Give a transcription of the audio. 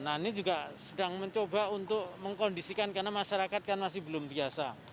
nah ini juga sedang mencoba untuk mengkondisikan karena masyarakat kan masih belum biasa